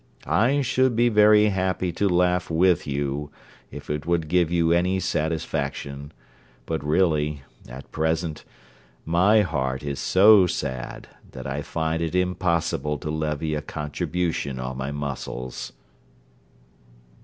I should be very happy to laugh with you, if it would give you any satisfaction; but, really, at present, my heart is so sad, that I find it impossible to levy a contribution on my muscles.'